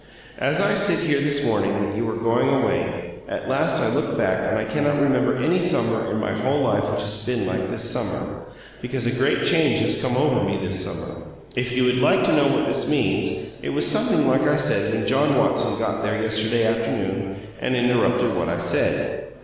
As I sit here this morning that you are going away at last I look back and I cannot rember any summer in my whole life which has been like this summer, because a great change has come over me this summer. If you would like to know what this means it was something like I said when John Watson got there yesterday afternoon and interrupted what I said.